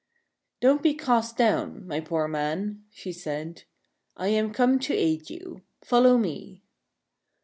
" Don't be cast down, my poor man," she said. " I am come to aid you. Follow me."